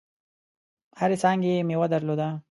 هرې څانګي یې مېوه درلوده .